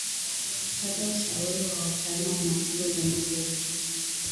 Pata ushauri wa wataalamu wa wa tiba za mifugo